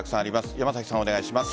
山崎さん、お願いします。